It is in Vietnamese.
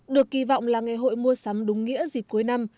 được kỳ vọng là ngày hội mua sắm đúng nghĩa dịp cuối năm